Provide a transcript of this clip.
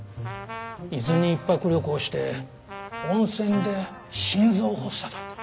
伊豆に一泊旅行して温泉で心臓発作だと。